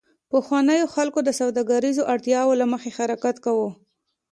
پخوانیو خلکو د سوداګریزو اړتیاوو له مخې حرکت کاوه